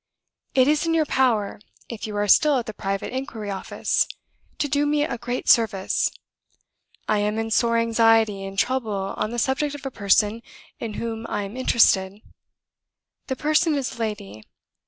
"It is in your power (if you are still at the Private Inquiry Office) to do me a great service. I am in sore anxiety and trouble on the subject of a person in whom I am interested. The person is a lady.